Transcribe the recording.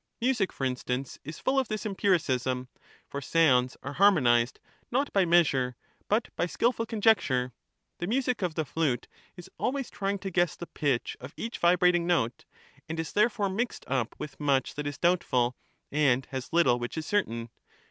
Music, for instance, is full of this^mpiricism ; for ^usic^ sounds are harmonized, not by "measure, but ^By skilfuTcon medicine, jecture ; the music of the flute is always trying to guess the ^^^, pitch of each vibrating note, and is therefore mixed up with rate than much that is doubtful and has little which is certain.